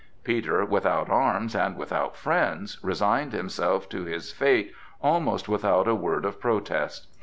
Peter, without arms and without friends, resigned himself to his fate almost without a word of protest.